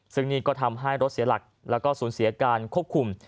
ซึ่งนี่ก็ทำให้รถเสียหลักแล้วก็สูญเสียการควบคุม